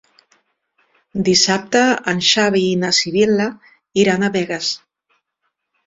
Dissabte en Xavi i na Sibil·la iran a Begues.